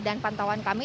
dan pantauan kami